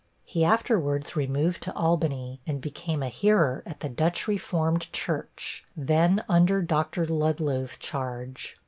He afterwards removed to Albany, and became a hearer at the Dutch Reformed Church, then under Dr. Ludlow's charge.